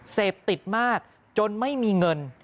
เสพติดมากจนไม่มีเงิน